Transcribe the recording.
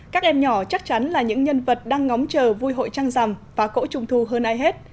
các em nhỏ chắc chắn là những nhân vật đang ngóng chờ vui hội trăng rằm và cỗ trung thu hơn ai hết